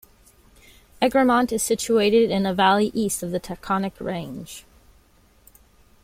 Egremont is situated in a valley east of the Taconic Range.